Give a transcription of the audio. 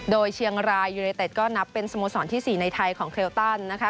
โดยเชียงรายยูเนเต็ดก็นับเป็นสโมสรที่๔ในไทยของเคลตันนะคะ